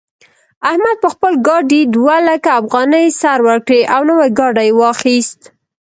احمد په خپل ګاډي دوه لکه افغانۍ سر ورکړې او نوی ګاډی يې واخيست.